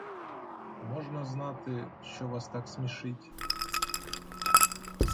Можна знати, що вас так смішить?